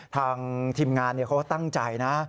ทางทีมงานเขาตั้งใจนะ